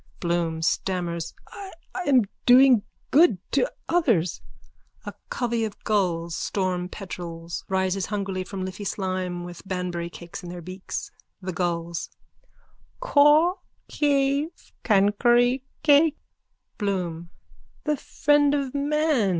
BLOOM: (Stammers.) I am doing good to others. (A covey of gulls, storm petrels, rises hungrily from Liffey slime with Banbury cakes in their beaks.) THE GULLS: Kaw kave kankury kake. BLOOM: The friend of man.